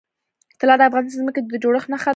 طلا د افغانستان د ځمکې د جوړښت نښه ده.